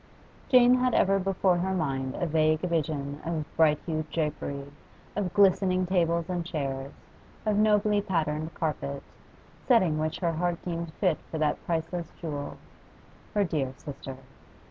Jane had ever before her mind a vague vision of bright hued drapery, of glistening tables and chairs, of nobly patterned carpet, setting which her heart deemed fit for that priceless jewel, her dear sister.